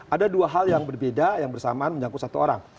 ada dua hal yang berbeda yang bersamaan menyangkut satu orang